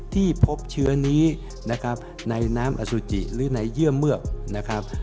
ที่พบเชื้อนี้นะครับในน้ำอสุจิหรือในเยื่อเมือกนะครับ